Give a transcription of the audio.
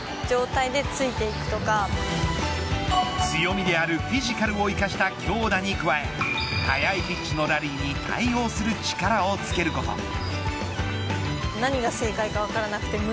強みであるフィジカルを生かした強打に加え速いピッチのラリーに対応する力をつけること。